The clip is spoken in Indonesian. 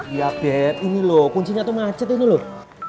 iya beb ini loh kuncinya tuh macet ini loh